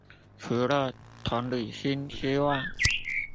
除了同理心之外